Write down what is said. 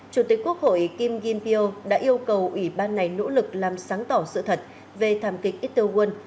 chủ tịch quốc hội kim ynpeo đã yêu cầu ủy ban này nỗ lực làm sáng tỏ sự thật về thảm kịch itowon